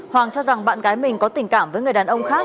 hoàng cho rằng bạn gái mình có tình cảm với người đàn ông khác